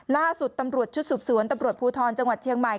ล่าสุดตำรวจชุดสืบสวนตำรวจภูทรจังหวัดเชียงใหม่